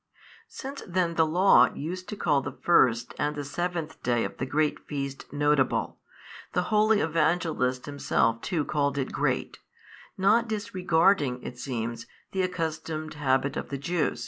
Since then the Law used to call the first and the seventh day of the great feast notable, the holy Evangelist himself too called it great, not disregarding, it seems, the accustomed habit of the Jews.